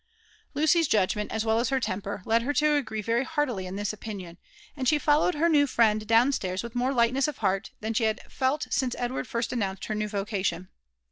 ' Lucy's judgment as well as her temper led her to agree .very heartily in this opinion, and she followed her new friend down stairs with more lightness of heart than she had felt since Edward Grsl announced her new vocation.